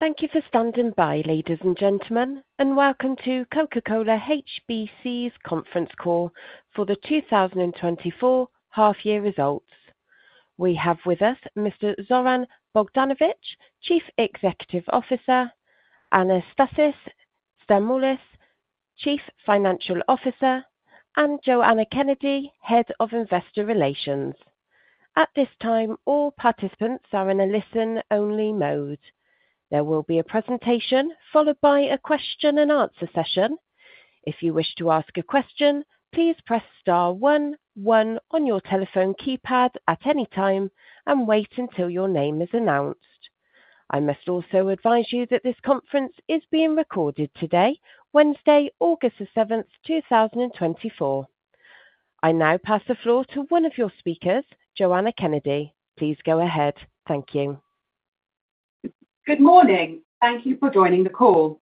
Thank you for standing by, ladies and gentlemen, and welcome to Coca-Cola HBC's conference call for the 2024 half year results. We have with us Mr. Zoran Bogdanovic, Chief Executive Officer, Anastassis Stamoulis, Chief Financial Officer, and Joanna Kennedy, Head of Investor Relations. At this time, all participants are in a listen-only mode. There will be a presentation, followed by a question and answer session. If you wish to ask a question, please press star one one on your telephone keypad at any time and wait until your name is announced. I must also advise you that this conference is being recorded today, Wednesday, August 7, 2024. I now pass the floor to one of your speakers, Joanna Kennedy. Please go ahead. Thank you. Good morning. Thank you for joining the call.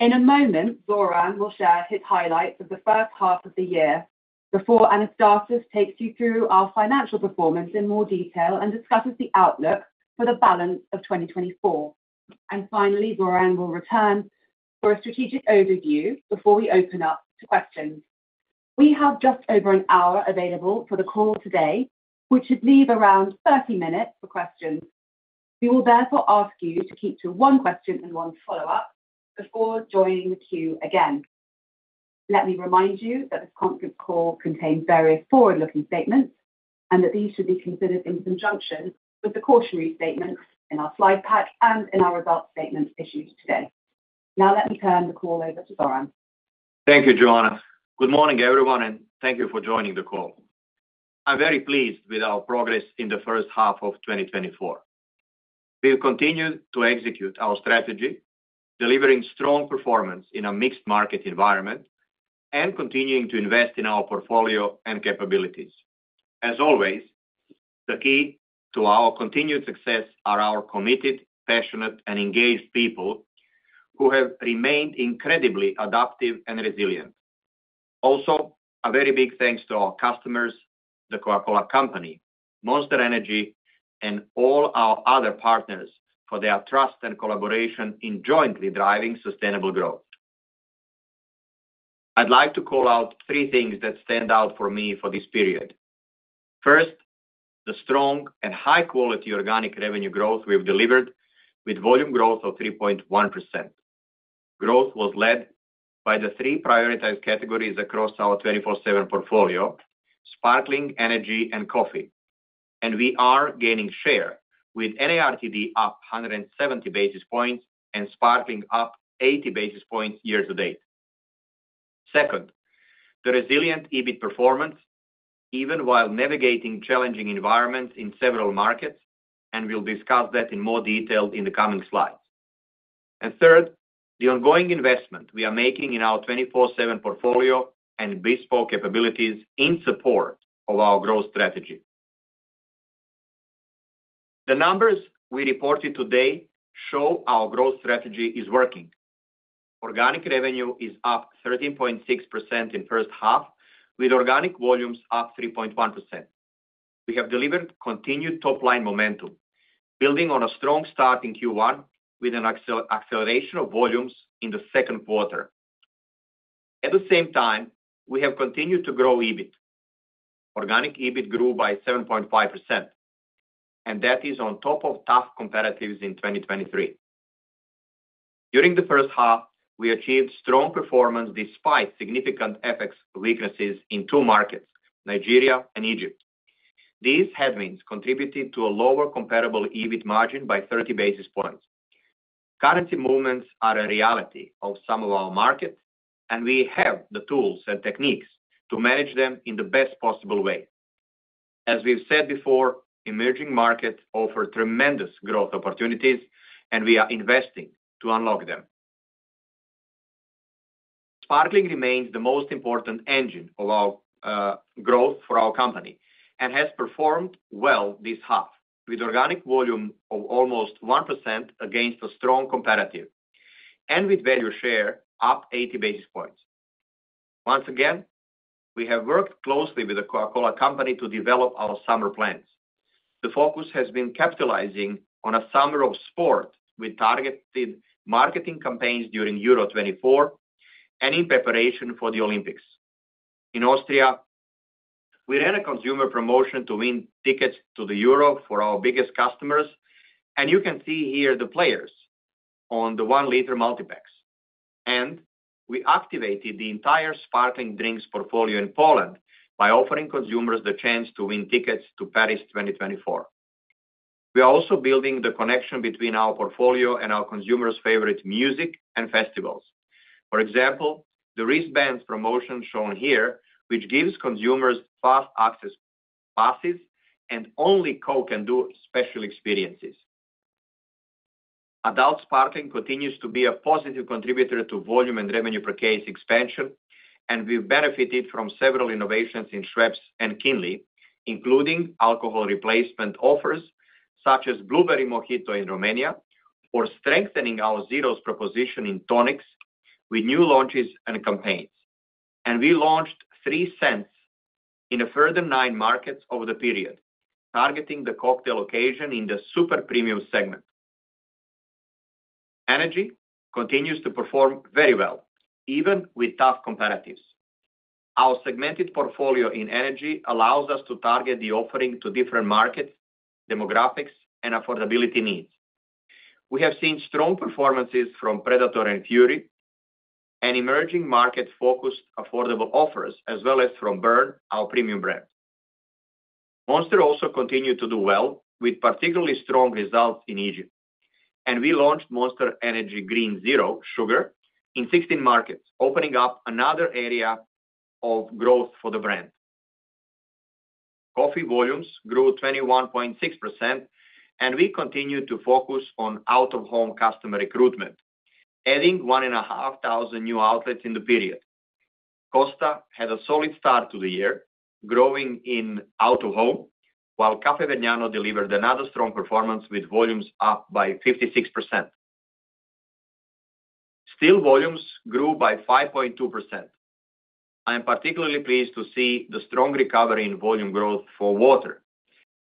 In a moment, Zoran will share his highlights of the first half of the year before Anastassis takes you through our financial performance in more detail and discusses the outlook for the balance of 2024. Finally, Zoran will return for a strategic overview before we open up to questions. We have just over an hour available for the call today, which should leave around 30 minutes for questions. We will therefore ask you to keep to one question and one follow-up before joining the queue again. Let me remind you that this conference call contains various forward-looking statements and that these should be considered in conjunction with the cautionary statements in our slide pack and in our results statement issued today. Now, let me turn the call over to Zoran. Thank you, Joanna. Good morning, everyone, and thank you for joining the call. I'm very pleased with our progress in the first half of 2024. We've continued to execute our strategy, delivering strong performance in a mixed market environment and continuing to invest in our portfolio and capabilities. As always, the key to our continued success are our committed, passionate, and engaged people who have remained incredibly adaptive and resilient. Also, a very big thanks to our customers, the Coca-Cola Company, Monster Energy, and all our other partners for their trust and collaboration in jointly driving sustainable growth. I'd like to call out three things that stand out for me for this period. First, the strong and high-quality organic revenue growth we've delivered with volume growth of 3.1%. Growth was led by the three prioritized categories across our 24/7 portfolio: sparkling, energy, and coffee. We are gaining share with NARTD up 170 basis points and sparkling up 80 basis points year-to-date. Second, the resilient EBIT performance, even while navigating challenging environments in several markets, and we'll discuss that in more detail in the coming slides. Third, the ongoing investment we are making in our 24/7 portfolio and bespoke capabilities in support of our growth strategy. The numbers we reported today show our growth strategy is working. Organic revenue is up 13.6% in first half, with organic volumes up 3.1%. We have delivered continued top-line momentum, building on a strong start in Q1 with an acceleration of volumes in the second quarter. At the same time, we have continued to grow EBIT. Organic EBIT grew by 7.5%, and that is on top of tough comparatives in 2023. During the first half, we achieved strong performance despite significant FX weaknesses in two markets, Nigeria and Egypt. These headwinds contributed to a lower comparable EBIT margin by 30 basis points. Currency movements are a reality of some of our markets, and we have the tools and techniques to manage them in the best possible way. As we've said before, emerging markets offer tremendous growth opportunities, and we are investing to unlock them. Sparkling remains the most important engine of our growth for our company and has performed well this half, with organic volume of almost 1% against a strong competitive and with value share up 80 basis points. Once again, we have worked closely with the Coca-Cola Company to develop our summer plans. The focus has been capitalizing on a summer of sport with targeted marketing campaigns during Euro 2024 and in preparation for the Olympics. In Austria, we ran a consumer promotion to win tickets to the Euro for our biggest customers, and you can see here the players on the 1-liter multipacks. We activated the entire Sparkling drinks portfolio in Poland by offering consumers the chance to win tickets to Paris 2024. We are also building the connection between our portfolio and our consumers' favorite music and festivals. For example, the wristbands promotion shown here, which gives consumers fast access passes and only Coke can do special experiences. Adult Sparkling continues to be a positive contributor to volume and revenue per case expansion, and we've benefited from several innovations in Schweppes and Kinley, including alcohol replacement offers, such as Blueberry Mojito in Romania, for strengthening our Zero's proposition in tonics with new launches and campaigns. And we launched Three Cents in a further nine markets over the period, targeting the cocktail occasion in the super premium segment. Energy continues to perform very well, even with tough comparatives. Our segmented portfolio in energy allows us to target the offering to different markets, demographics, and affordability needs. We have seen strong performances from Predator and Fury, and emerging market-focused affordable offers, as well as from Burn, our premium brand. Monster also continued to do well with particularly strong results in Egypt, and we launched Monster Energy Green Zero Sugar in 16 markets, opening up another area of growth for the brand. Coffee volumes grew 21.6%, and we continued to focus on out-of-home customer recruitment, adding 1,500 new outlets in the period. Costa had a solid start to the year, growing in out-of-home, while Caffè Vergnano delivered another strong performance, with volumes up by 56%. Still volumes grew by 5.2%. I am particularly pleased to see the strong recovery in volume growth for water.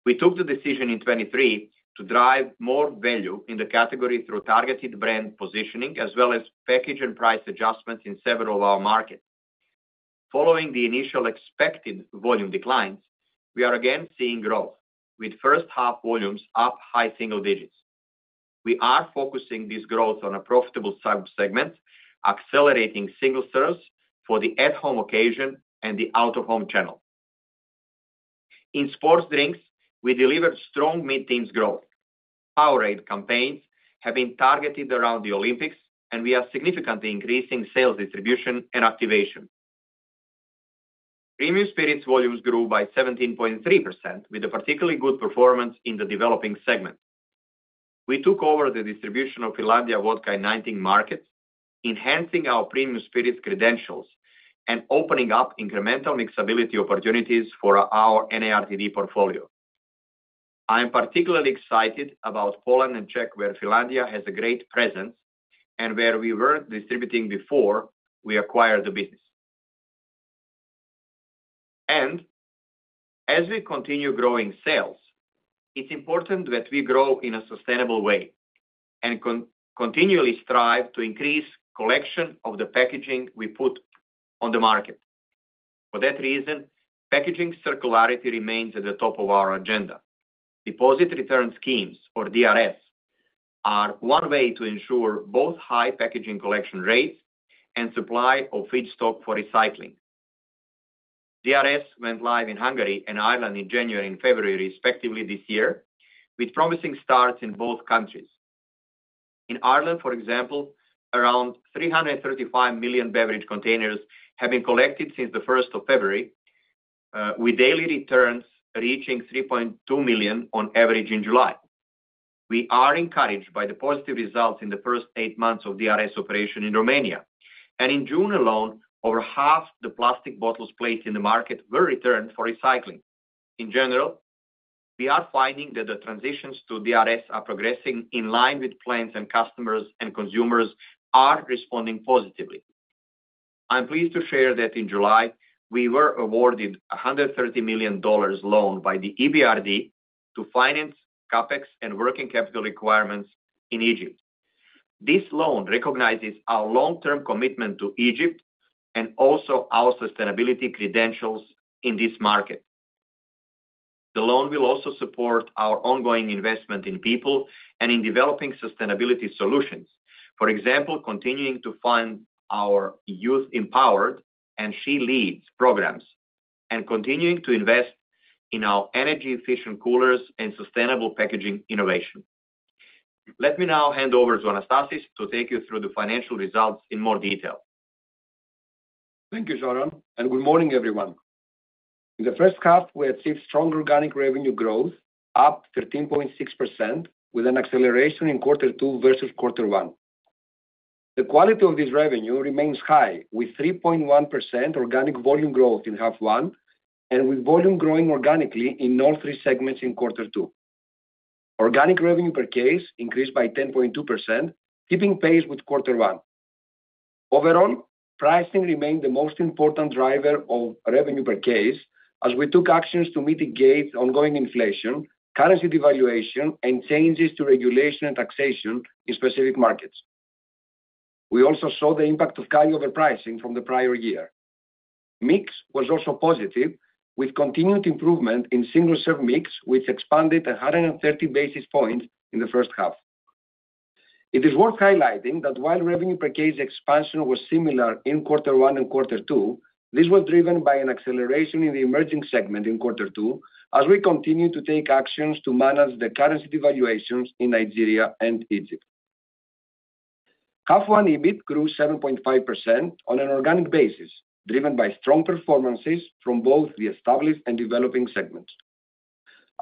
We took the decision in 2023 to drive more value in the category through targeted brand positioning, as well as package and price adjustments in several of our markets. Following the initial expected volume declines, we are again seeing growth, with first half volumes up high single digits. We are focusing this growth on a profitable sub-segment, accelerating single serves for the at-home occasion and the out-of-home channel. In sports drinks, we delivered strong mid-teens growth. Powerade campaigns have been targeted around the Olympics, and we are significantly increasing sales, distribution, and activation. Premium spirits volumes grew by 17.3%, with a particularly good performance in the developing segment. We took over the distribution of Finlandia Vodka in 19 markets, enhancing our premium spirit credentials and opening up incremental mixability opportunities for our NARTD portfolio. I am particularly excited about Poland and Czech, where Finlandia has a great presence, and where we weren't distributing before we acquired the business. And as we continue growing sales, it's important that we grow in a sustainable way and continually strive to increase collection of the packaging we put on the market. For that reason, packaging circularity remains at the top of our agenda. Deposit return schemes, or DRS, are one way to ensure both high packaging collection rates and supply of feedstock for recycling. DRS went live in Hungary and Ireland in January and February, respectively, this year, with promising starts in both countries. In Ireland, for example, around 335 million beverage containers have been collected since the first of February, with daily returns reaching 3.2 million on average in July. We are encouraged by the positive results in the first eight months of DRS operation in Romania, and in June alone, over half the plastic bottles placed in the market were returned for recycling. In general, we are finding that the transitions to DRS are progressing in line with plans, and customers and consumers are responding positively. I'm pleased to share that in July, we were awarded $130 million loan by the EBRD to finance CapEx and working capital requirements in Egypt. This loan recognizes our long-term commitment to Egypt and also our sustainability credentials in this market. The loan will also support our ongoing investment in people and in developing sustainability solutions. For example, continuing to fund our Youth Empowered and She Leads programs, and continuing to invest in our energy-efficient coolers and sustainable packaging innovation. Let me now hand over to Anastassis to take you through the financial results in more detail. Thank you, Zoran, and good morning, everyone. In the first half, we achieved strong organic revenue growth, up 13.6%, with an acceleration in quarter two versus quarter one. The quality of this revenue remains high, with 3.1% organic volume growth in half one, and with volume growing organically in all three segments in quarter two. Organic revenue per case increased by 10.2%, keeping pace with quarter one. Overall, pricing remained the most important driver of revenue per case, as we took actions to mitigate ongoing inflation, currency devaluation, and changes to regulation and taxation in specific markets. We also saw the impact of carryover pricing from the prior year. Mix was also positive, with continued improvement in single-serve mix, which expanded 130 basis points in the first half. It is worth highlighting that while revenue per case expansion was similar in quarter one and quarter two, this was driven by an acceleration in the emerging segment in quarter two, as we continued to take actions to manage the currency devaluations in Nigeria and Egypt. Half one EBIT grew 7.5% on an organic basis, driven by strong performances from both the established and developing segments.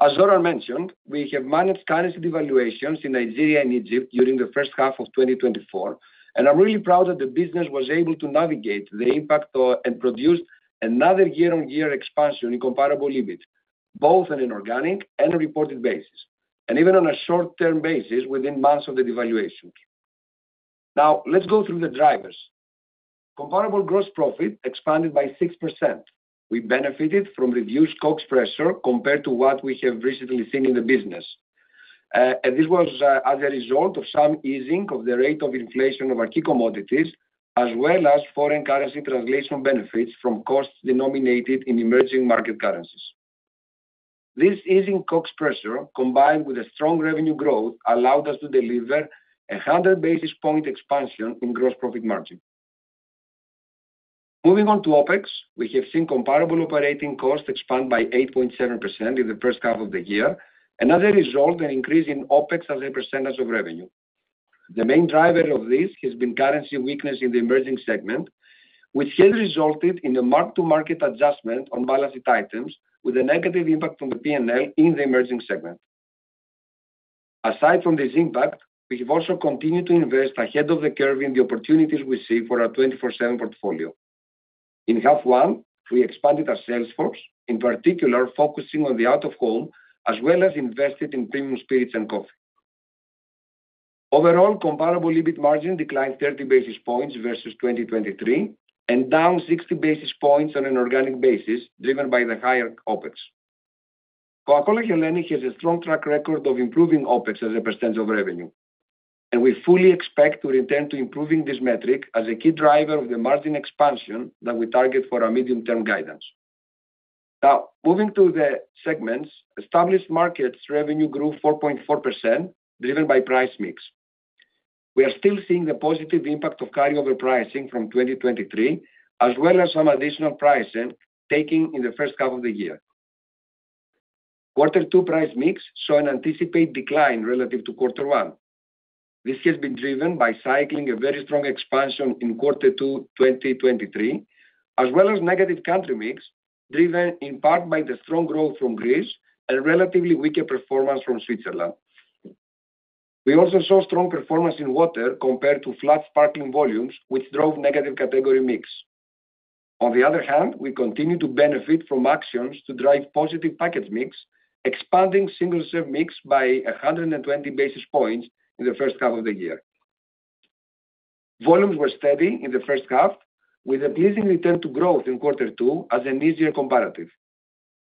As Zoran mentioned, we have managed currency devaluations in Nigeria and Egypt during the first half of 2024, and I'm really proud that the business was able to navigate the impact and produce another year-on-year expansion in comparable EBIT, both on an organic and a reported basis, and even on a short-term basis, within months of the devaluation. Now let's go through the drivers. Comparable gross profit expanded by 6%. We benefited from reduced COGS pressure compared to what we have recently seen in the business. This was as a result of some easing of the rate of inflation of our key commodities, as well as foreign currency translation benefits from costs denominated in emerging market currencies. This easing COGS pressure, combined with a strong revenue growth, allowed us to deliver a 100 basis point expansion in gross profit margin. Moving on to OpEx, we have seen comparable operating costs expand by 8.7% in the first half of the year. Another result, an increase in OpEx as a percentage of revenue. The main driver of this has been currency weakness in the emerging segment, which has resulted in a mark-to-market adjustment on balance sheet items with a negative impact on the P&L in the emerging segment. Aside from this impact, we have also continued to invest ahead of the curve in the opportunities we see for our 24/7 portfolio. In half one, we expanded our sales force, in particular focusing on the out-of-home, as well as invested in premium spirits and coffee. Overall, comparable EBIT margin declined 30 basis points versus 2023, and down 60 basis points on an organic basis, driven by the higher OpEx. Coca-Cola HBC has a strong track record of improving OpEx as a percentage of revenue, and we fully expect to return to improving this metric as a key driver of the margin expansion that we target for our medium-term guidance. Now, moving to the segments. Established markets revenue grew 4.4%, driven by price mix. We are still seeing the positive impact of carryover pricing from 2023, as well as some additional pricing taking in the first half of the year. Quarter two price mix saw an anticipated decline relative to quarter one. This has been driven by cycling a very strong expansion in quarter two 2023, as well as negative country mix, driven in part by the strong growth from Greece and relatively weaker performance from Switzerland. We also saw strong performance in water compared to flat sparkling volumes, which drove negative category mix. On the other hand, we continue to benefit from actions to drive positive package mix, expanding single-serve mix by 120 basis points in the first half of the year. Volumes were steady in the first half, with a pleasing return to growth in quarter two as an easier comparative.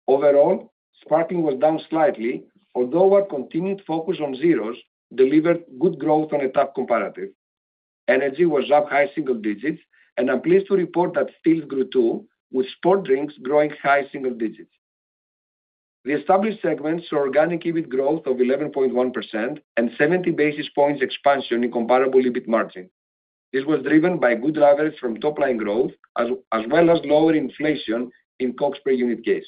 Overall, sparkling was down slightly, although our continued focus on zeros delivered good growth on a tough comparative. Energy was up high single digits, and I'm pleased to report that stills grew, too, with sports drinks growing high single digits. The established segment saw organic EBIT growth of 11.1% and 70 basis points expansion in comparable EBIT margin. This was driven by good leverage from top-line growth, as well as lower inflation in COGS per unit case.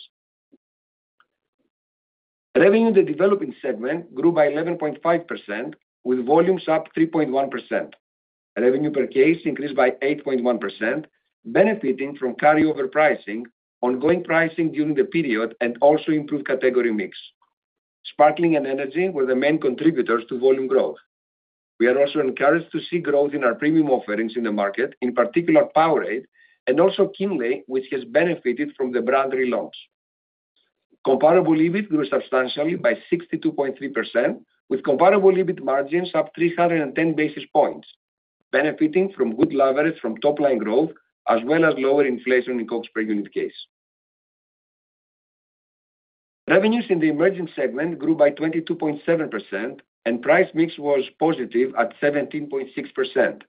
Revenue in the developing segment grew by 11.5%, with volumes up 3.1%. Revenue per case increased by 8.1%, benefiting from carryover pricing, ongoing pricing during the period, and also improved category mix. Sparkling and energy were the main contributors to volume growth. We are also encouraged to see growth in our premium offerings in the market, in particular Powerade, and also Kinley, which has benefited from the brand relaunches. Comparable EBIT grew substantially by 62.3%, with comparable EBIT margins up 310 basis points, benefiting from good leverage from top-line growth, as well as lower inflation in COGS per unit case. Revenues in the emerging segment grew by 22.7%, and price mix was positive at 17.6%,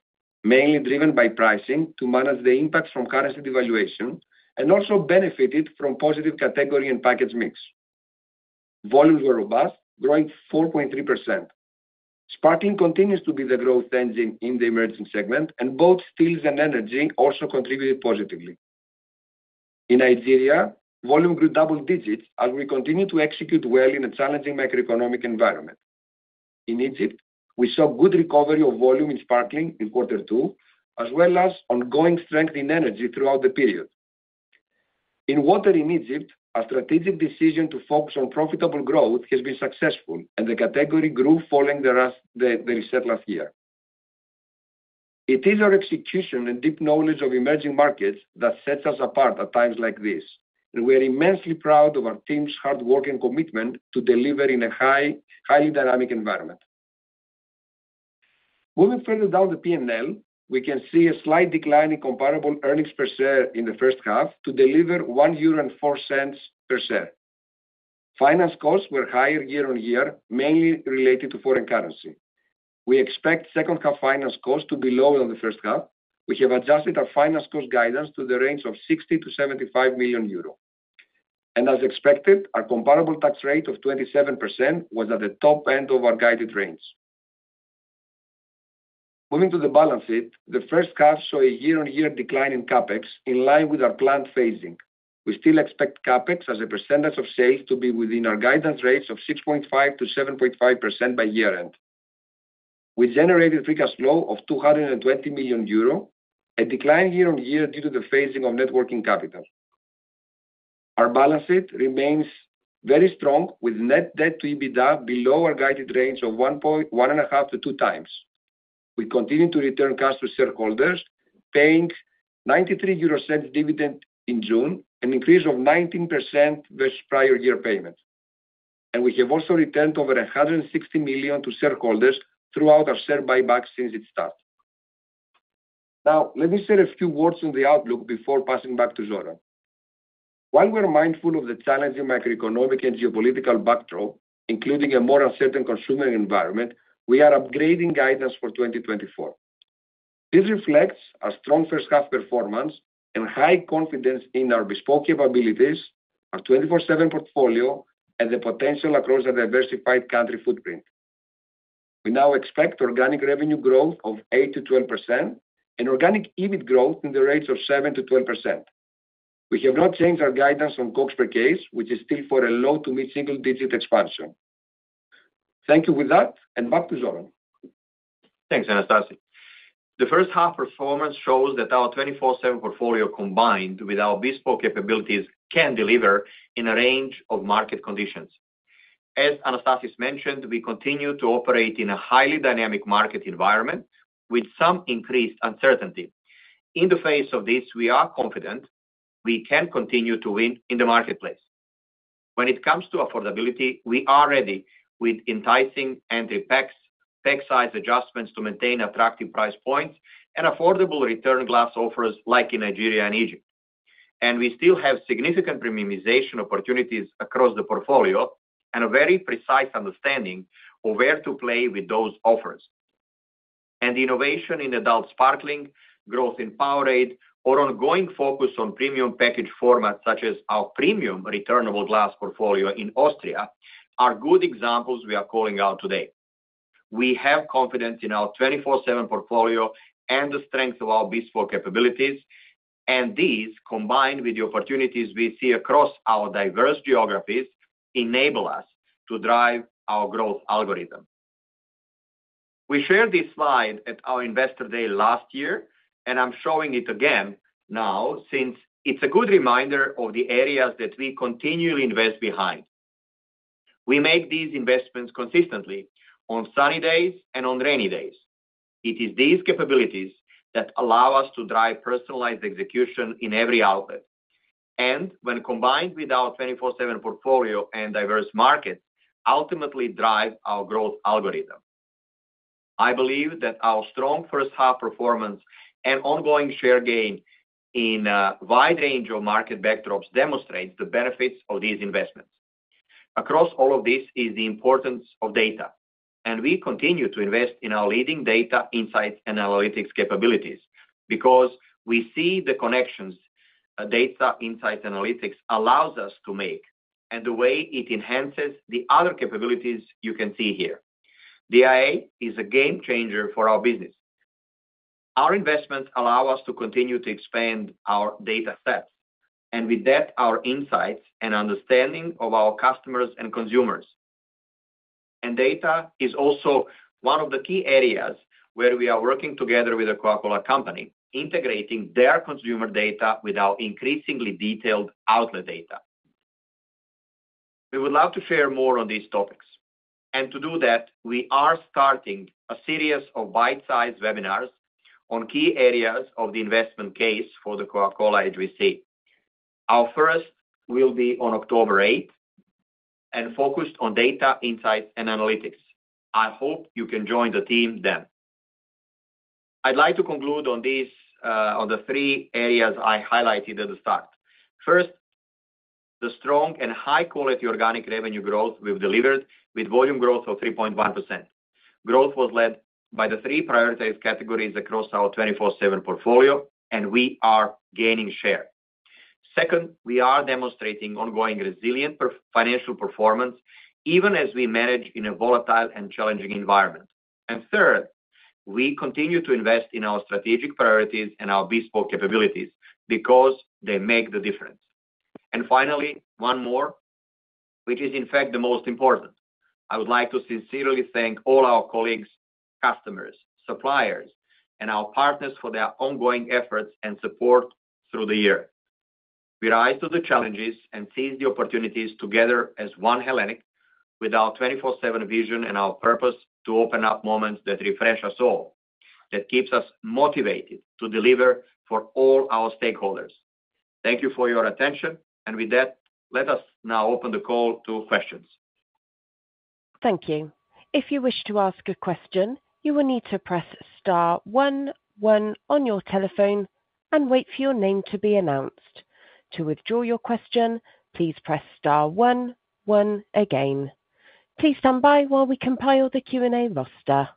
mainly driven by pricing to manage the impact from currency devaluation, and also benefited from positive category and package mix. Volumes were robust, growing 4.3%. Sparkling continues to be the growth engine in the emerging segment, and both stills and energy also contributed positively. In Nigeria, volume grew double digits, and we continue to execute well in a challenging macroeconomic environment. In Egypt, we saw good recovery of volume in sparkling in quarter two, as well as ongoing strength in energy throughout the period. In water in Egypt, our strategic decision to focus on profitable growth has been successful, and the category grew following the reset last year. It is our execution and deep knowledge of emerging markets that sets us apart at times like this, and we are immensely proud of our team's hard work and commitment to deliver in a highly dynamic environment. Moving further down the P&L, we can see a slight decline in comparable earnings per share in the first half to deliver 1.04 euro per share. Finance costs were higher year-on-year, mainly related to foreign currency. We expect second half finance costs to be lower than the first half. We have adjusted our finance cost guidance to the range of 60-75 million euro. As expected, our comparable tax rate of 27% was at the top end of our guided range. Moving to the balance sheet, the first half saw a year-on-year decline in CapEx in line with our planned phasing. We still expect CapEx as a percentage of sales to be within our guidance rates of 6.5%-7.5% by year-end. We generated free cash flow of 220 million euro, a decline year-on-year due to the phasing of net working capital. Our balance sheet remains very strong, with net debt to EBITDA below our guided range of 1.1-1.5 to 2 times. We continue to return cash to shareholders, paying 0.93 dividend in June, an increase of 19% versus prior year payment, and we have also returned over 160 million to shareholders throughout our share buyback since it started. Now, let me say a few words on the outlook before passing back to Zoran. While we're mindful of the challenging macroeconomic and geopolitical backdrop, including a more uncertain consumer environment, we are upgrading guidance for 2024. This reflects our strong first half performance and high confidence in our bespoke capabilities, our 24/7 portfolio, and the potential across our diversified country footprint. We now expect organic revenue growth of 8%-12% and organic EBIT growth in the range of 7%-12%. We have not changed our guidance on COGS per case, which is still for a low- to mid-single-digit expansion. Thank you for that, and back to Zoran. Thanks, Anastassis. The first half performance shows that our 24/7 portfolio, combined with our bespoke capabilities, can deliver in a range of market conditions. As Anastassis mentioned, we continue to operate in a highly dynamic market environment with some increased uncertainty. In the face of this, we are confident we can continue to win in the marketplace. When it comes to affordability, we are ready with enticing and impact pack size adjustments to maintain attractive price points and affordable return glass offers, like in Nigeria and Egypt. We still have significant premiumization opportunities across the portfolio and a very precise understanding of where to play with those offers. Innovation in adult sparkling, growth in Powerade, our ongoing focus on premium package formats, such as our premium returnable glass portfolio in Austria, are good examples we are calling out today. We have confidence in our 24/7 portfolio and the strength of our bespoke capabilities, and these, combined with the opportunities we see across our diverse geographies, enable us to drive our growth algorithm. We shared this slide at our investor day last year, and I'm showing it again now, since it's a good reminder of the areas that we continually invest behind. We make these investments consistently on sunny days and on rainy days. It is these capabilities that allow us to drive personalized execution in every outlet, and when combined with our 24/7 portfolio and diverse markets, ultimately drive our growth algorithm. I believe that our strong first half performance and ongoing share gain in a wide range of market backdrops demonstrates the benefits of these investments. Across all of this is the importance of data, and we continue to invest in our leading data insight and analytics capabilities because we see the connections, data insight analytics allows us to make, and the way it enhances the other capabilities you can see here. DIA is a game changer for our business. Our investments allow us to continue to expand our data sets, and with that, our insights and understanding of our customers and consumers. And data is also one of the key areas where we are working together with The Coca-Cola Company, integrating their consumer data with our increasingly detailed outlet data. We would love to share more on these topics, and to do that, we are starting a series of bite-sized webinars on key areas of the investment case for the Coca-Cola HBC. Our first will be on October eighth and focused on data, insight, and analytics. I hope you can join the team then. I'd like to conclude on this, on the three areas I highlighted at the start. First, the strong and high-quality organic revenue growth we've delivered with volume growth of 3.1%. Growth was led by the three prioritized categories across our 24/7 portfolio, and we are gaining share. Second, we are demonstrating ongoing resilient financial performance, even as we manage in a volatile and challenging environment. And third, we continue to invest in our strategic priorities and our bespoke capabilities because they make the difference. And finally, one more, which is in fact the most important. I would like to sincerely thank all our colleagues, customers, suppliers, and our partners for their ongoing efforts and support through the year. We rise to the challenges and seize the opportunities together as one Hellenic, with our 24/7 vision and our purpose to open up moments that refresh us all, that keeps us motivated to deliver for all our stakeholders. Thank you for your attention, and with that, let us now open the call to questions. Thank you. If you wish to ask a question, you will need to press star one one on your telephone and wait for your name to be announced. To withdraw your question, please press star one one again. Please stand by while we compile the Q&A roster.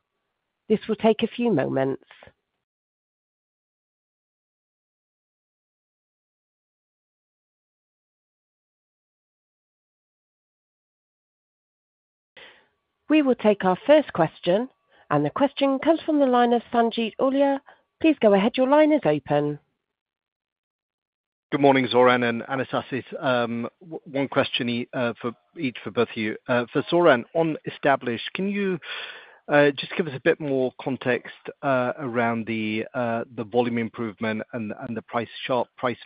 This will take a few moments. We will take our first question, and the question comes from the line of Sanjeet Aujla. Please go ahead. Your line is open. Good morning, Zoran and Anastassis. One question for each, for both of you. For Zoran, on Established, can you just give us a bit more context around the volume improvement and the price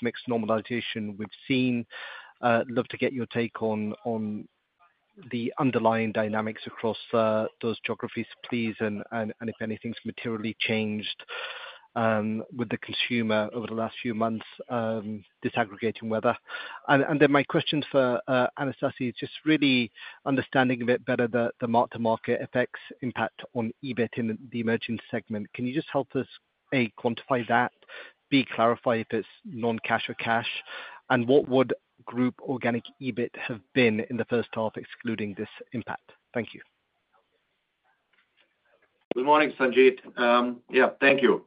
mix normalization we've seen? Love to get your take on the underlying dynamics across those geographies, please, and if anything's materially changed with the consumer over the last few months, disaggregating weather. And then my question for Anastassis, just really understanding a bit better the mark-to-market effects impact on EBIT in the emerging segment. Can you just help us, A, quantify that, B, clarify if it's non-cash or cash, and what would group organic EBIT have been in the first half excluding this impact? Thank you. Good morning, Sanjeet. Yeah, thank you.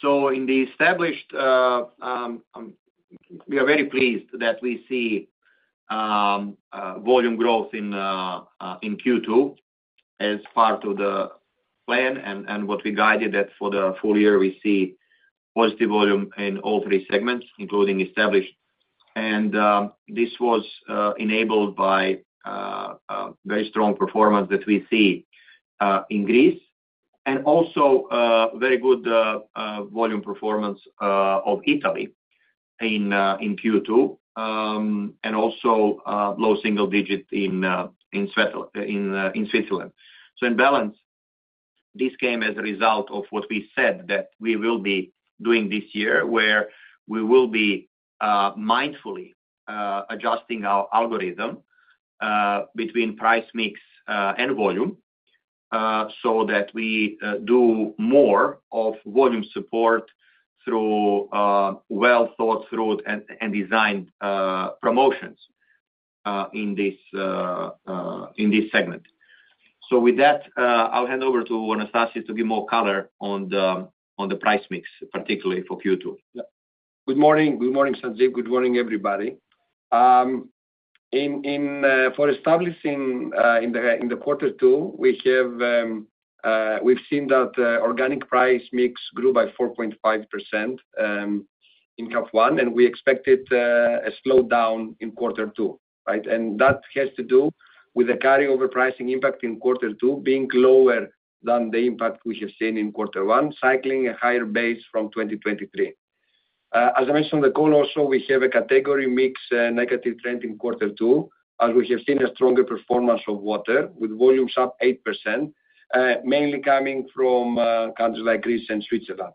So in the established, we are very pleased that we see volume growth in Q2 as part of the plan and what we guided that for the full year, we see positive volume in all three segments, including established. And this was enabled by very strong performance that we see in Greece, and also very good volume performance of Italy in Q2. And also low single digit in Switzerland. So in balance, this came as a result of what we said that we will be doing this year, where we will be mindfully adjusting our algorithm between price mix and volume so that we do more of volume support through well thought through and designed promotions in this segment. So with that, I'll hand over to Anastassis to give more color on the price mix, particularly for Q2. Yeah. Good morning. Good morning, Sanjeet. Good morning, everybody. In quarter two, we've seen that organic price mix grew by 4.5% in half one, and we expected a slowdown in quarter two, right? And that has to do with the carryover pricing impact in quarter two being lower than the impact we have seen in quarter one, cycling a higher base from 2023. As I mentioned on the call also, we have a category mix negative trend in quarter two, as we have seen a stronger performance of water, with volumes up 8%, mainly coming from countries like Greece and Switzerland.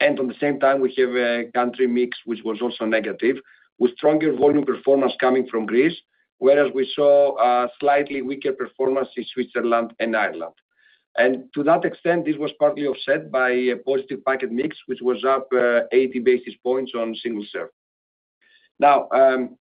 At the same time, we have a country mix, which was also negative, with stronger volume performance coming from Greece, whereas we saw a slightly weaker performance in Switzerland and Ireland. To that extent, this was partly offset by a positive pack mix, which was up 80 basis points on single serve. Now,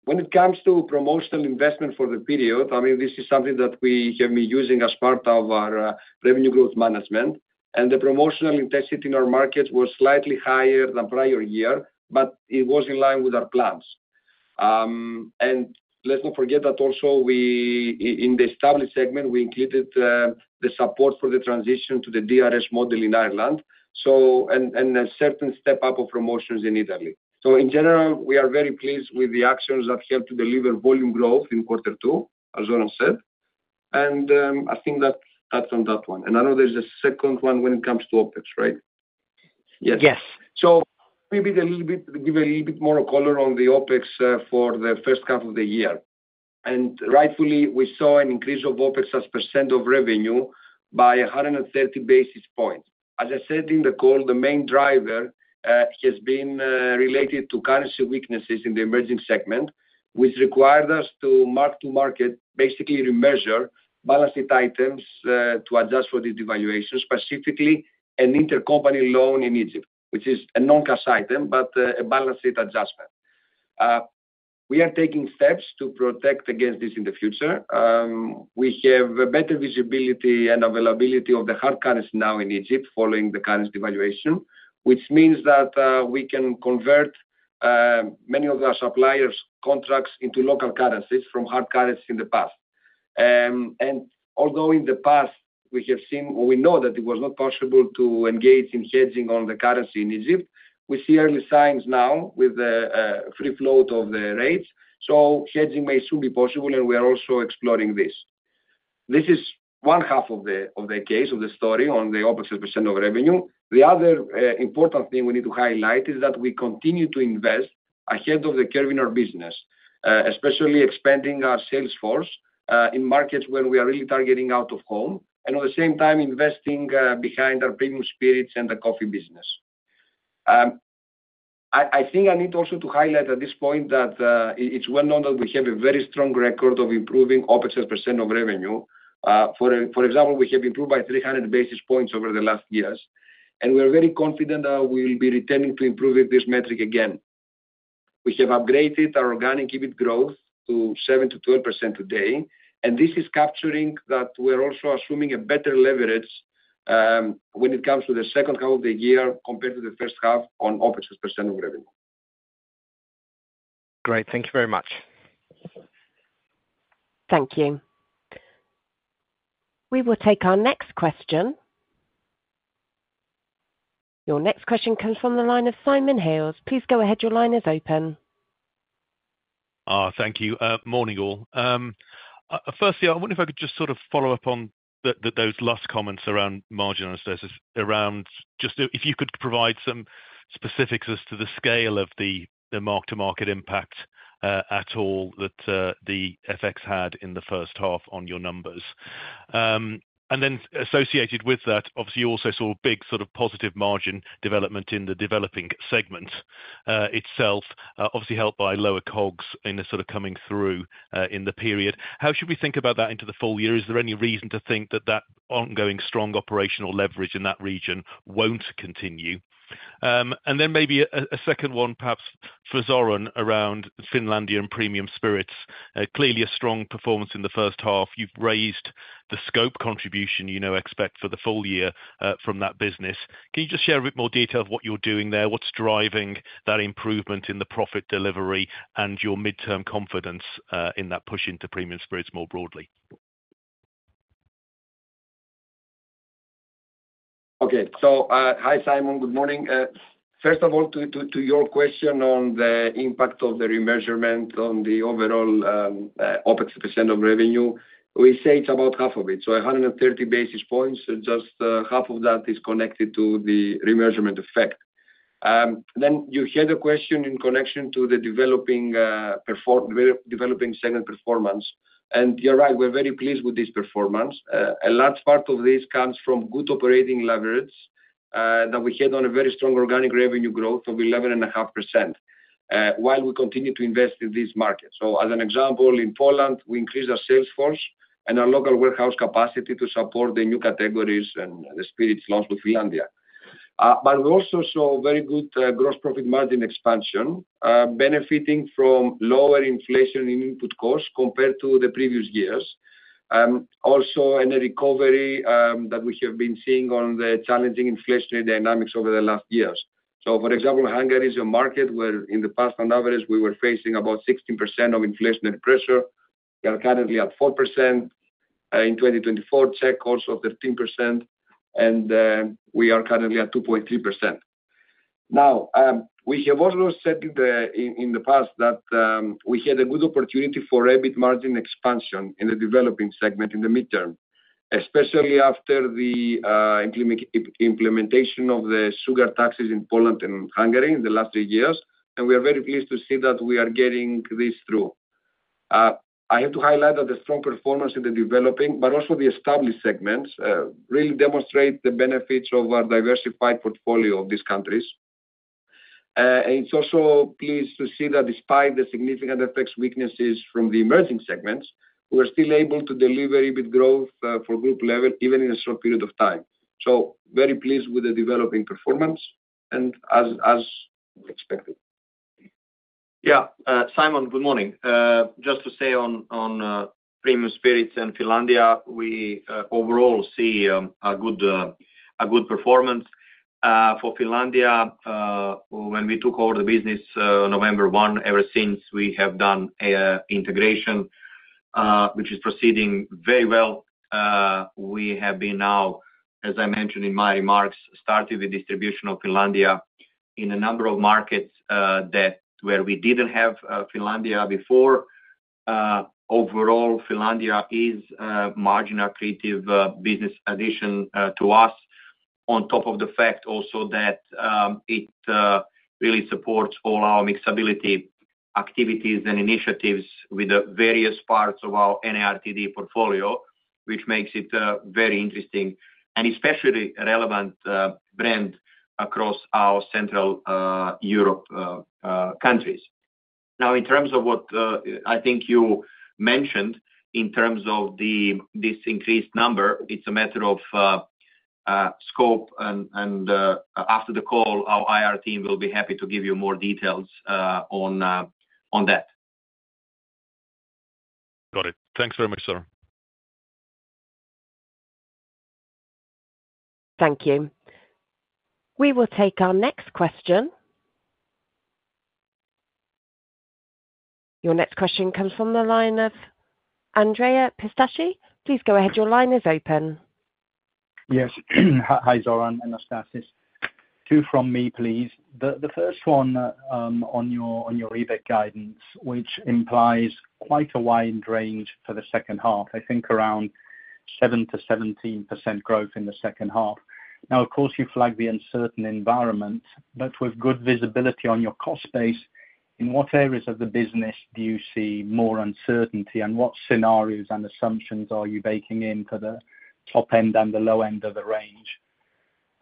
when it comes to promotional investment for the period, I mean, this is something that we have been using as part of our revenue growth management, and the promotional intensity in our markets was slightly higher than prior year, but it was in line with our plans. And let's not forget that also we in the established segment, we included the support for the transition to the DRS model in Ireland, so and a certain step up of promotions in Italy. In general, we are very pleased with the actions that helped to deliver volume growth in quarter two, as Ronan said. I think that's that on that one. I know there's a second one when it comes to OpEx, right? Yes. Yes. So maybe a little bit, give a little bit more color on the OpEx for the first half of the year. And rightfully, we saw an increase of OpEx as percent of revenue by 130 basis points. As I said in the call, the main driver has been related to currency weaknesses in the emerging segment, which required us to mark-to-market, basically remeasure balance sheet items to adjust for the devaluation, specifically an intercompany loan in Egypt, which is a non-cash item, but a balance sheet adjustment. We are taking steps to protect against this in the future. We have a better visibility and availability of the hard currency now in Egypt, following the currency devaluation, which means that we can convert many of our suppliers' contracts into local currencies from hard currency in the past. And although in the past we have seen or we know that it was not possible to engage in hedging on the currency in Egypt, we see early signs now with the free float of the rates. So hedging may soon be possible, and we are also exploring this. This is one half of the, of the case, of the story on the opposite percent of revenue. The other important thing we need to highlight is that we continue to invest ahead of the curve in our business, especially expanding our sales force in markets where we are really targeting out-of-home, and at the same time, investing behind our premium spirits and the coffee business. I think I need also to highlight at this point that it's well known that we have a very strong record of improving OpEx as percent of revenue. For example, we have improved by 300 basis points over the last years, and we are very confident that we'll be returning to improving this metric again. We have upgraded our organic EBIT growth to 7%-12% today, and this is capturing that we're also assuming a better leverage when it comes to the second half of the year compared to the first half on OpEx as percent of revenue. Great. Thank you very much. Thank you. We will take our next question. Your next question comes from the line of Simon Hales. Please go ahead. Your line is open. Thank you. Morning, all. Firstly, I wonder if I could just sort of follow up on those last comments around margin analysis, around just if you could provide some specifics as to the scale of the mark-to-market impact at all, that the FX had in the first half on your numbers. And then associated with that, obviously, you also saw a big sort of positive margin development in the developing segment itself, obviously helped by lower COGS in the sort of coming through in the period. How should we think about that into the full year? Is there any reason to think that that ongoing strong operational leverage in that region won't continue? And then maybe a second one, perhaps for Zoran around Finlandia and Premium Spirits. Clearly a strong performance in the first half. You've raised the scope contribution you now expect for the full year from that business. Can you just share a bit more detail of what you're doing there? What's driving that improvement in the profit delivery and your midterm confidence in that push into Premium Spirits more broadly? Okay. So, hi, Simon. Good morning. First of all, to your question on the impact of the remeasurement on the overall OpEx percent of revenue, we say it's about half of it, so 130 basis points, just half of that is connected to the remeasurement effect. Then you had a question in connection to the developing segment performance, and you're right, we're very pleased with this performance. A large part of this comes from good operating leverage that we had on a very strong organic revenue growth of 11.5%, while we continue to invest in this market. So as an example, in Poland, we increased our sales force and our local warehouse capacity to support the new categories and the spirits launched with Finlandia. But we also saw very good gross profit margin expansion, benefiting from lower inflation in input costs compared to the previous years. Also in a recovery that we have been seeing on the challenging inflationary dynamics over the last years. So, for example, Hungary is a market where in the past, on average, we were facing about 16% of inflationary pressure. We are currently at 4%. In 2024, Czech also 13%, and we are currently at 2.3%. Now, we have also said in the past that we had a good opportunity for EBIT margin expansion in the developing segment in the midterm, especially after the implementation of the sugar taxes in Poland and Hungary in the last two years, and we are very pleased to see that we are getting this through. I have to highlight that the strong performance in the developing, but also the established segments, really demonstrate the benefits of our diversified portfolio of these countries. And it's also pleased to see that despite the significant FX weaknesses from the emerging segments, we're still able to deliver EBIT growth for group level, even in a short period of time. So very pleased with the developing performance and as expected. Yeah. Simon, good morning. Just to say on Premium Spirits and Finlandia, we overall see a good performance. For Finlandia, when we took over the business, November 1, ever since we have done an integration, which is proceeding very well. We have now, as I mentioned in my remarks, started the distribution of Finlandia in a number of markets that where we didn't have Finlandia before. Overall, Finlandia is a marginal creative business addition to us, on top of the fact also that it really supports all our mixability activities and initiatives with the various parts of our NARTD portfolio, which makes it very interesting and especially relevant brand across our Central Europe countries. Now, in terms of what I think you mentioned in terms of this increased number, it's a matter of scope and, after the call, our IR team will be happy to give you more details on that. Got it. Thanks very much, sir. Thank you. We will take our next question. Your next question comes from the line of Andrea Pistacchi. Please go ahead. Your line is open. Yes. Hi, Zoran and Anastassis. Two from me, please. The first one on your EBIT guidance, which implies quite a wide range for the second half, I think around 7%-17% growth in the second half. Now, of course, you flag the uncertain environment, but with good visibility on your cost base, in what areas of the business do you see more uncertainty? And what scenarios and assumptions are you baking in for the top end and the low end of the range?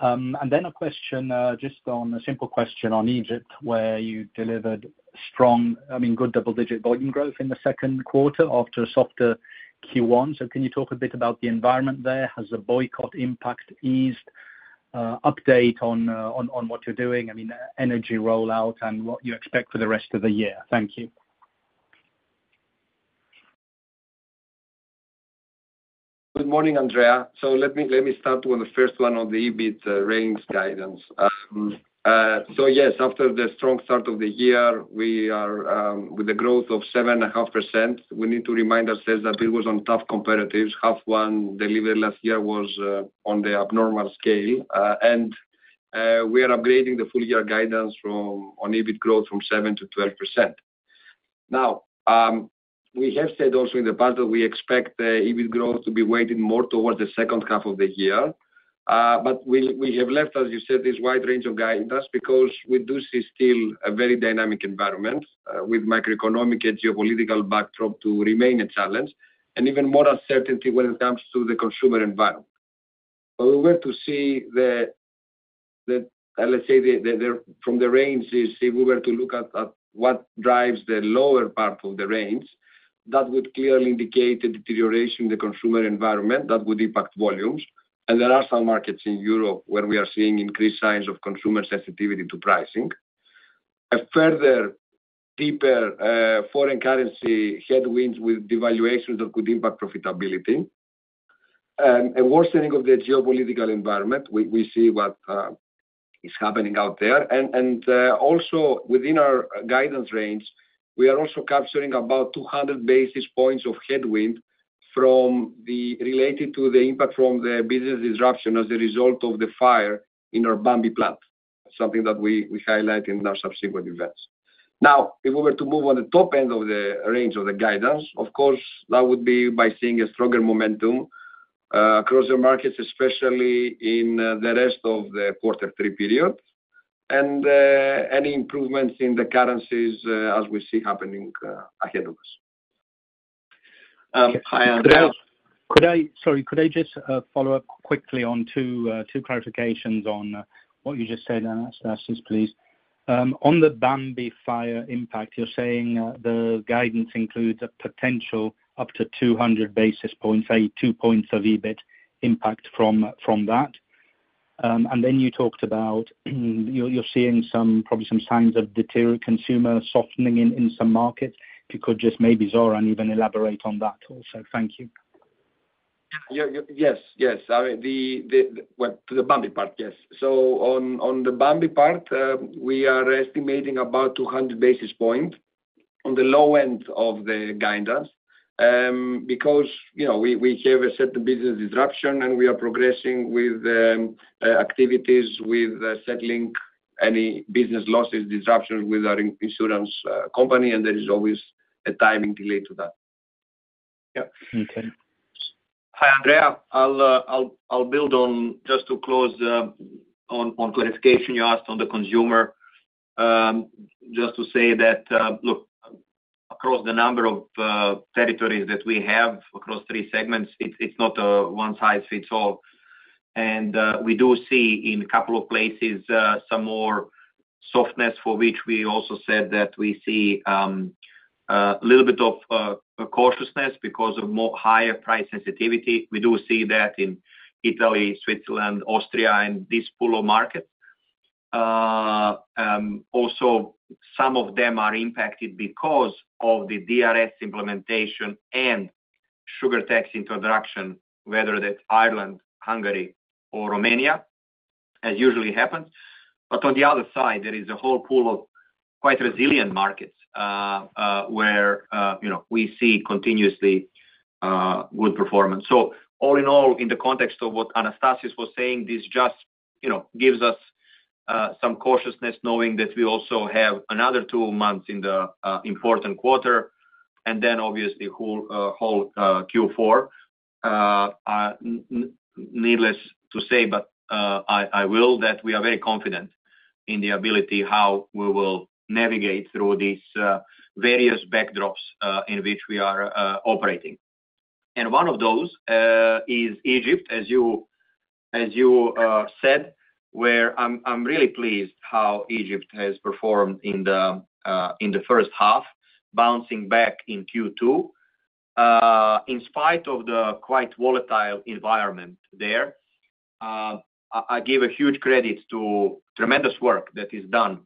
And then a question just on a simple question on Egypt, where you delivered strong, I mean, good double-digit volume growth in the second quarter after a softer Q1. So can you talk a bit about the environment there? Has the boycott impact eased? Update on what you're doing, I mean, energy rollout and what you expect for the rest of the year. Thank you. Good morning, Andrea. So let me, let me start on the first one on the EBIT range guidance. So yes, after the strong start of the year, we are with a growth of 7.5%, we need to remind ourselves that it was on tough comparatives. H1 delivered last year was on the abnormal scale, and we are upgrading the full year guidance, on EBIT growth, from 7%-12%. Now, we have said also in the past that we expect the EBIT growth to be weighted more towards the second half of the year. but we have left, as you said, this wide range of guidance because we do see still a very dynamic environment with macroeconomic and geopolitical backdrop to remain a challenge, and even more uncertainty when it comes to the consumer environment. If we were to see, let's say, from the range, if we were to look at what drives the lower part of the range, that would clearly indicate a deterioration in the consumer environment that would impact volumes. And there are some markets in Europe where we are seeing increased signs of consumer sensitivity to pricing. A further, deeper foreign currency headwinds with devaluations that could impact profitability, a worsening of the geopolitical environment. We see what is happening out there. Also within our guidance range, we are also capturing about 200 basis points of headwind from the related to the impact from the business disruption as a result of the fire in our Bambi plant, something that we highlight in our subsequent events. Now, if we were to move on the top end of the range of the guidance, of course, that would be by seeing a stronger momentum across the markets, especially in the rest of the quarter three period, and any improvements in the currencies as we see happening ahead of us. Hi, Andrea. Could I, sorry, could I just follow up quickly on two clarifications on what you just said, Anastassis, please? On the Bambi fire impact, you're saying the guidance includes a potential up to 200 basis points, say two points of EBIT impact from that. And then you talked about you're seeing some, probably some signs of deterior- consumer softening in some markets. If you could just maybe, Zoran, even elaborate on that also. Thank you. Yeah, yes, yes. Well, to the Bambi part, yes. So on the Bambi part, we are estimating about 200 basis points on the low end of the guidance, because, you know, we have a certain business disruption, and we are progressing with activities with settling any business losses disruption with our insurance company, and there is always a timing delay to that. Yep. Okay. Hi, Andrea. I'll build on just to close on clarification you asked on the consumer. Just to say that, look, across the number of territories that we have across three segments, it's not a one-size-fits-all. And we do see in a couple of places some more softness, for which we also said that we see a little bit of cautiousness because of more higher price sensitivity. We do see that in Italy, Switzerland, Austria, and this pool of markets. Also some of them are impacted because of the DRS implementation and sugar tax introduction, whether that's Ireland, Hungary, or Romania, as usually happens. But on the other side, there is a whole pool of quite resilient markets, where you know, we see continuously good performance. So all in all, in the context of what Anastassis was saying, this just, you know, gives us some cautiousness, knowing that we also have another two months in the important quarter, and then obviously whole Q4. Needless to say, but I will that we are very confident in the ability how we will navigate through these various backdrops in which we are operating. And one of those is Egypt, as you said, where I'm really pleased how Egypt has performed in the first half, bouncing back in Q2. In spite of the quite volatile environment there, I give a huge credit to tremendous work that is done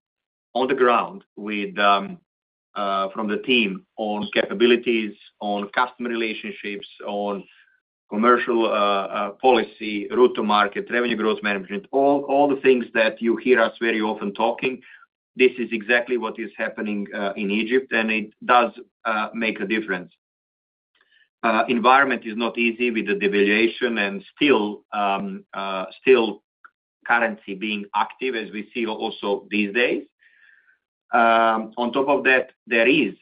on the ground with from the team on capabilities, on customer relationships, on commercial policy, route to market, revenue growth management, all the things that you hear us very often talking, this is exactly what is happening in Egypt, and it does make a difference. Environment is not easy with the devaluation and still still currency being active, as we see also these days. On top of that, there is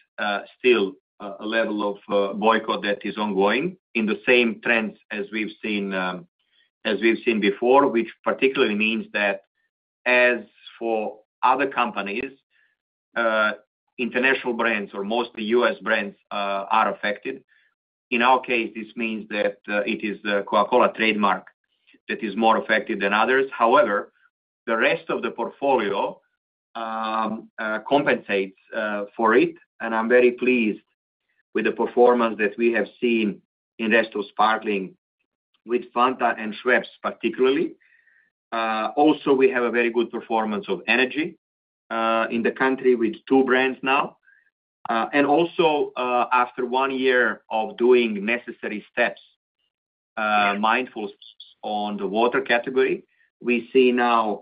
still a level of boycott that is ongoing in the same trends as we've seen, as we've seen before, which particularly means that as for other companies, international brands or mostly U.S. brands are affected. In our case, this means that it is the Coca-Cola trademark that is more affected than others. However, the rest of the portfolio compensates for it, and I'm very pleased with the performance that we have seen in best sparkling with Fanta and Schweppes, particularly. Also, we have a very good performance of energy in the country with two brands now. And also, after one year of doing necessary steps, mindful on the water category, we see now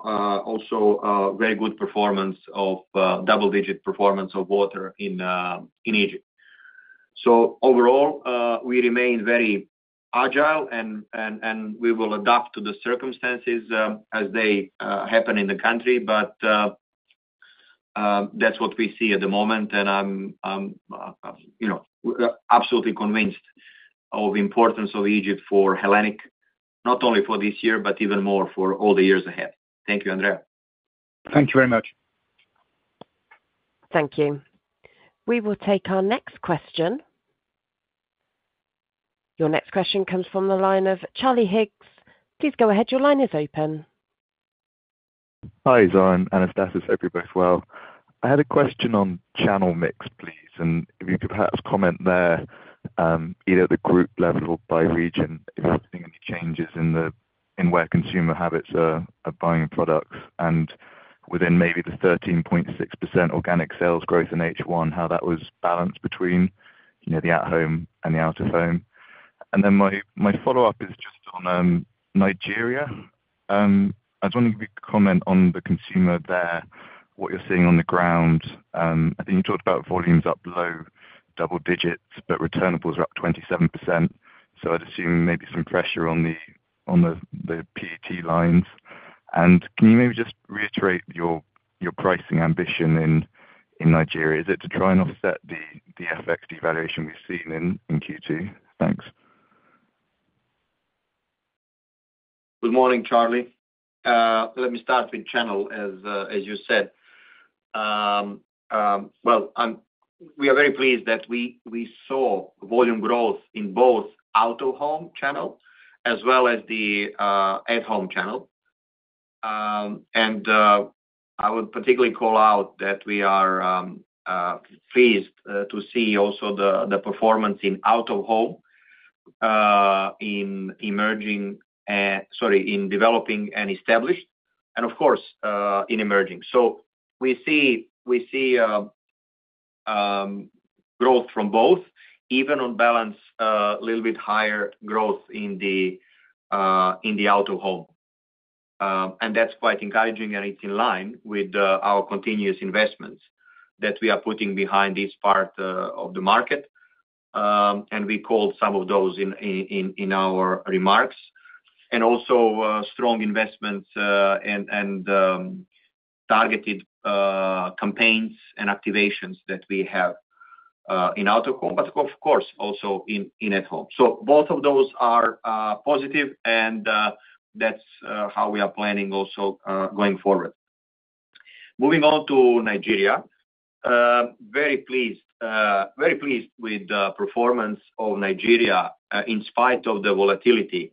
also a very good performance of double-digit performance of water in Egypt. So overall, we remain very agile and we will adapt to the circumstances as they happen in the country. But... That's what we see at the moment, and I'm, you know, absolutely convinced of the importance of Egypt for Hellenic, not only for this year, but even more for all the years ahead. Thank you, Andrea. Thank you very much. Thank you. We will take our next question. Your next question comes from the line of Charlie Higgs. Please go ahead. Your line is open. Hi, Zoran, Anastassis, hope you're both well. I had a question on channel mix, please, and if you could perhaps comment there, either at the group level or by region, if you're seeing any changes in the in where consumer habits are buying products. And within maybe the 13.6% organic sales growth in H1, how that was balanced between, you know, the at home and the out of home. And then my follow-up is just on Nigeria. I was wondering if you could comment on the consumer there, what you're seeing on the ground. I think you talked about volumes up low double digits, but returnables are up 27%, so I'd assume maybe some pressure on the PET lines. And can you maybe just reiterate your pricing ambition in Nigeria? Is it to try and offset the FX devaluation we've seen in Q2? Thanks. Good morning, Charlie. Let me start with channel, as you said. Well, I'm -- we are very pleased that we saw volume growth in both out of home channel as well as the at home channel. And I would particularly call out that we are pleased to see also the performance in out of home in emerging... sorry, in developing and established and of course in emerging. So we see growth from both, even on balance, little bit higher growth in the out of home. And that's quite encouraging, and it's in line with our continuous investments that we are putting behind this part of the market. And we called some of those in, in our remarks, and also strong investments, and targeted campaigns and activations that we have in out of home, but of course, also in at home. So both of those are positive, and that's how we are planning also going forward. Moving on to Nigeria, very pleased, very pleased with the performance of Nigeria, in spite of the volatility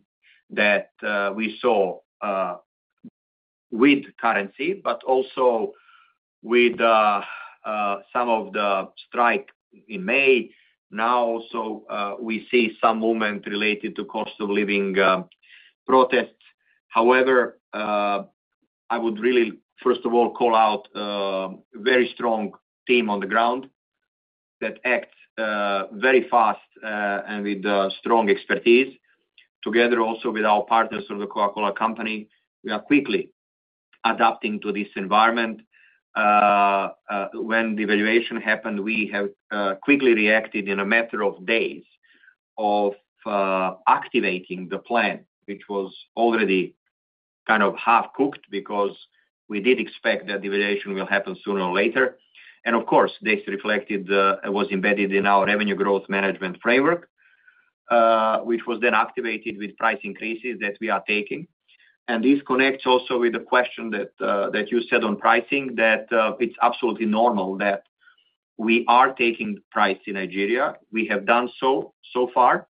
that we saw with currency, but also with some of the strike in May. Now also, we see some movement related to cost of living protests. However, I would really, first of all, call out a very strong team on the ground that acts very fast, and with strong expertise. Together, also with our partners from the Coca-Cola Company, we are quickly adapting to this environment. When devaluation happened, we have quickly reacted in a matter of days of activating the plan, which was already kind of half-cooked, because we did expect that devaluation will happen sooner or later. And of course, this reflected, it was embedded in our revenue growth management framework, which was then activated with price increases that we are taking. And this connects also with the question that that you said on pricing, that it's absolutely normal that we are taking the price in Nigeria. We have done so so far,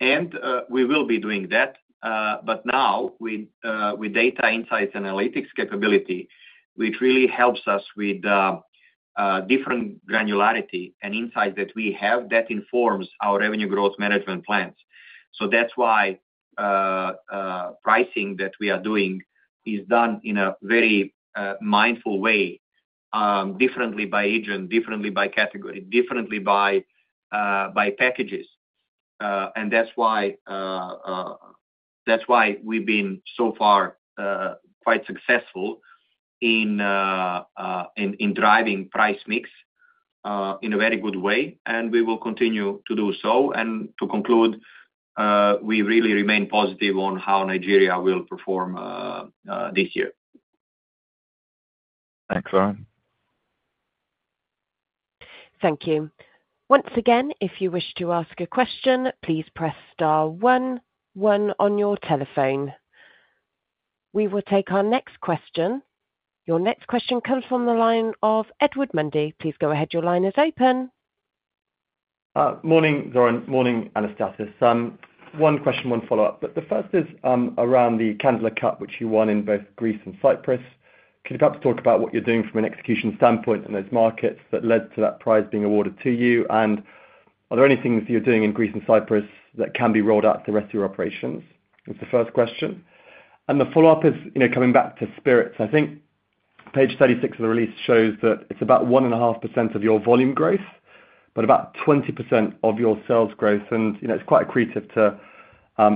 and we will be doing that. But now with data insights analytics capability, which really helps us with different granularity and insight that we have, that informs our revenue growth management plans. So that's why pricing that we are doing is done in a very mindful way, differently by agent, differently by category, differently by packages. And that's why we've been so far quite successful in driving price mix in a very good way, and we will continue to do so. And to conclude, we really remain positive on how Nigeria will perform this year. Thanks, Zoran. Thank you. Once again, if you wish to ask a question, please press star one one on your telephone. We will take our next question. Your next question comes from the line of Edward Mundy. Please go ahead. Your line is open. Morning, Zoran, morning, Anastassis. One question, one follow-up, but the first is around the Candler Cup, which you won in both Greece and Cyprus. Could you perhaps talk about what you're doing from an execution standpoint in those markets that led to that prize being awarded to you? And are there any things you're doing in Greece and Cyprus that can be rolled out to the rest of your operations? That's the first question. And the follow-up is, you know, coming back to spirits. I think page 36 of the release shows that it's about 1.5% of your volume growth, but about 20% of your sales growth, and, you know, it's quite accretive to,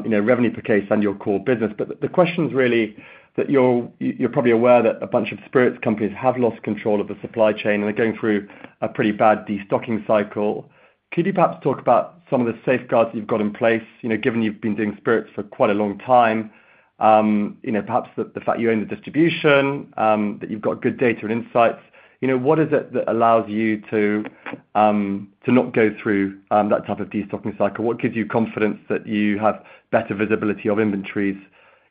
you know, revenue per case and your core business. But the question is really that you're probably aware that a bunch of spirits companies have lost control of the supply chain, and they're going through a pretty bad destocking cycle. Could you perhaps talk about some of the safeguards you've got in place, you know, given you've been doing spirits for quite a long time? You know, perhaps the fact you own the distribution, that you've got good data and insights. You know, what is it that allows you to not go through that type of destocking cycle? What gives you confidence that you have better visibility of inventories,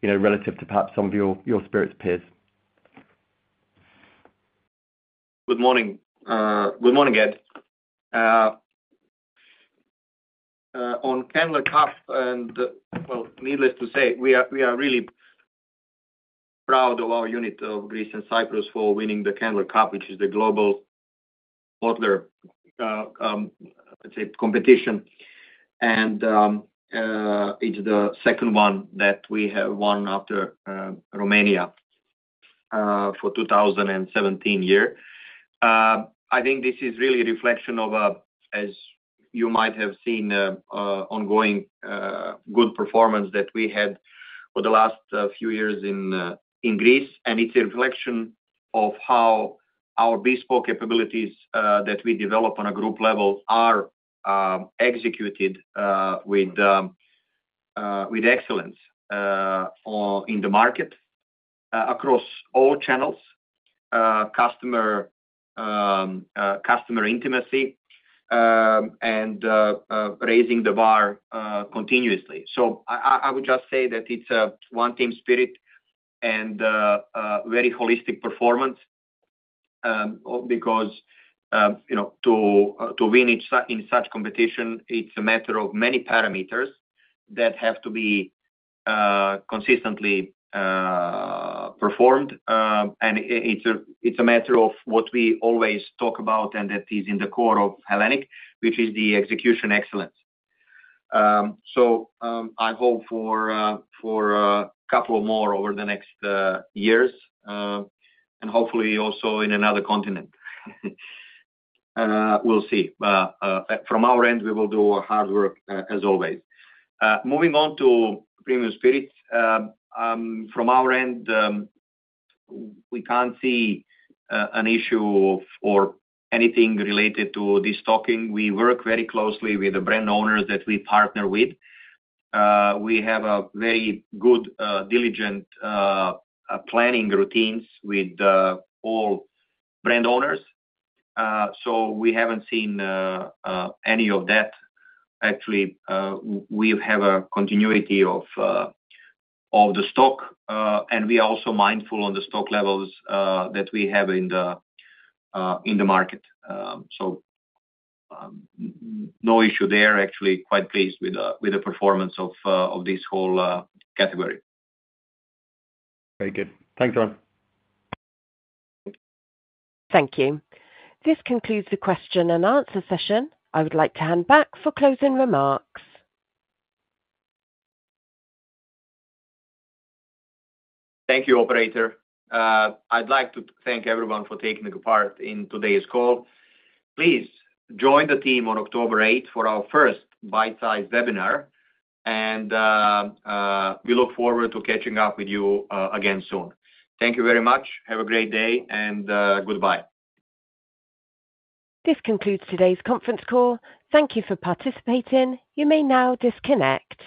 you know, relative to perhaps some of your spirits peers? Good morning. Good morning, Ed. On Candler Cup and, well, needless to say, we are really proud of our unit of Greece and Cyprus for winning the Candler Cup, which is the global bottler, let's say, competition. And, it's the second one that we have won after, Romania, for 2017 year. I think this is really a reflection of, as you might have seen, ongoing good performance that we had for the last, few years in, in Greece, and it's a reflection of how our bespoke capabilities, that we develop on a group level are, executed, with, with excellence, on- in the market, across all channels, customer, customer intimacy, and, raising the bar, continuously. So I would just say that it's a one-team spirit and a very holistic performance, because you know, to win in such competition, it's a matter of many parameters that have to be consistently performed. And it's a matter of what we always talk about, and that is in the core of Hellenic, which is the execution excellence. So I hope for a couple of more over the next years, and hopefully also in another continent. We'll see. From our end, we will do hard work as always. Moving on to Premium Spirits, from our end, we can't see an issue or anything related to destocking. We work very closely with the brand owners that we partner with. We have a very good, diligent, planning routines with all brand owners. So we haven't seen any of that. Actually, we have a continuity of the stock, and we are also mindful on the stock levels, that we have in the market. So, no issue there, actually quite pleased with the performance of this whole category. Very good. Thanks, Zoran. Thank you. This concludes the question and answer session. I would like to hand back for closing remarks. Thank you, operator. I'd like to thank everyone for taking part in today's call. Please join the team on October eighth, for our first bite-sized webinar, and we look forward to catching up with you again soon. Thank you very much. Have a great day, and goodbye. This concludes today's conference call. Thank you for participating. You may now disconnect.